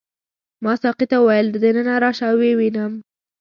ما ساقي ته وویل دننه راشه او ویې نیوم.